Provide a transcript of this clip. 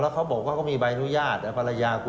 เขาบอกว่าก็มีใบอนุญาตดับรัญญากุธมาเปล่า